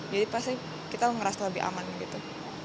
jadi pasti kita ngerasa lebih aman gitu